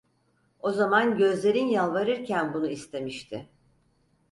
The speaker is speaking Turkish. O zaman gözlerin yalvarırken bunu istemişti.